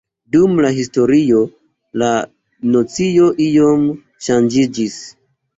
Dum la historio la nocio iom ŝanĝiĝis.